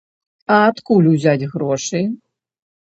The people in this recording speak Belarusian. А адкуль узяць грошы?